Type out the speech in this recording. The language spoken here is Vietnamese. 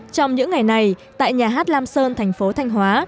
trong những ngày này tại nhà hát lam sơn thành phố thanh hóa